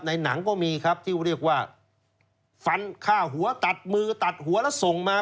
หนังก็มีครับที่เรียกว่าฟันฆ่าหัวตัดมือตัดหัวแล้วส่งมา